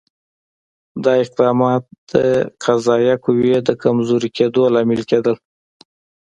دا اقدامات د قضایه قوې د کمزوري کېدو لامل کېدل.